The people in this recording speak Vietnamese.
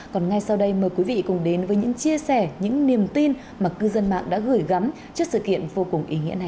còn ngay sau đây mời quý vị cùng đến với những chia sẻ những niềm tin mà cư dân mạng đã gửi gắm trước sự kiện vô cùng ý nghĩa này